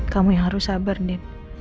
kamu yang harus sabar dip